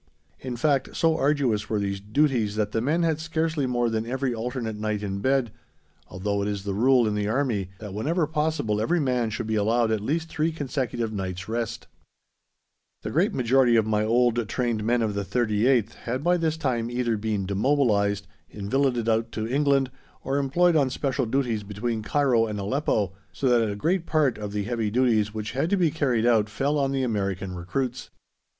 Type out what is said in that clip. In fact, so arduous were these duties that the men had scarcely more than every alternate night in bed, although it is the rule in the army that whenever possible every man should be allowed at least three consecutive nights' rest. The great majority of my old trained men of the 38th had by this time either been demobilised, invalided to England, or employed on special duties between Cairo and Aleppo, so that a great part of the heavy duties which had to be carried out fell on the American recruits.